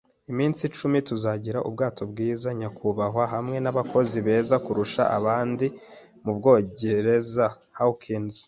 iminsi icumi - tuzagira ubwato bwiza, nyakubahwa, hamwe nabakozi beza kurusha abandi mubwongereza. Hawkins